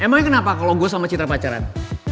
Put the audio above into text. emang ini kenapa kalo gue sama citra pacaran